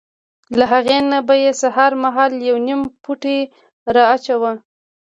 له هغې نه به یې سهار مهال یو نیم پوټی را اچاوه.